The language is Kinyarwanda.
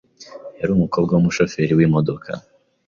yari umukobwa w'umushoferi w'imodoka